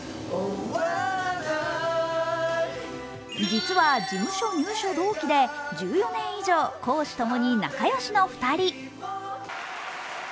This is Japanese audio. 実は、事務所入所同期で１４年以上、公私ともに仲良しの２人。